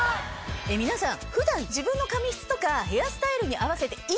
皆さん。